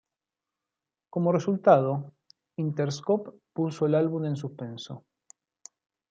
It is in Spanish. Como resultado, Interscope puso el álbum en suspenso.